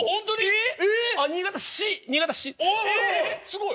すごい。